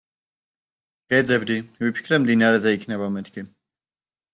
გეძებდი, ვიფიქრე მდინარეზე იქნება-მეთქი.